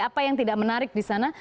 apa yang tidak menarik di sana